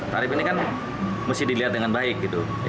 tarif ini kan mesti dilihat dengan baik gitu